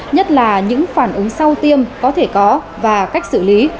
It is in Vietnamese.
nhất là những phản ứng sau tiêm có thể có và cách xử lý